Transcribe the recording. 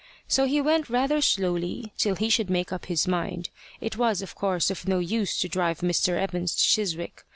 So he went rather slowly till he should make up his mind. It was, of course, of no use to drive Mr. Evans to Chiswick.